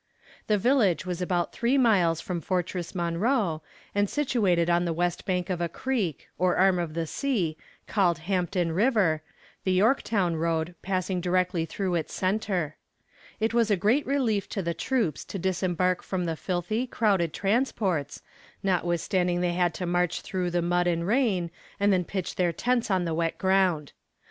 The village was about three miles from Fortress Monroe, and situated on the west side of a creek, or arm of the sea, called Hampton river, the Yorktown road passing directly through its center. It was a great relief to the troops to disembark from the filthy, crowded transports, notwithstanding they had to march through the mud and rain, and then pitch their tents on the wet ground.